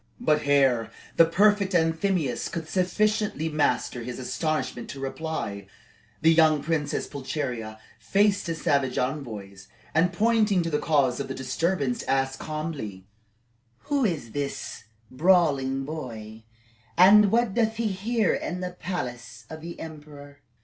But ere the prefect Anthemius could sufficiently master his astonishment to reply, the young Princess Pulcheria faced the savage envoys, and pointing to the cause of the disturbance, asked calmly: "Who is this brawling boy, and what doth he here in the palace of the emperor?"